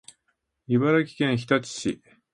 茨城県日立市